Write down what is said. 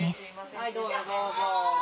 はいどうぞどうぞ。